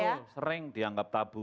ya sering dianggap tabu